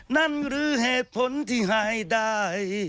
นั่นหรือเหตุผลที่ให้ได้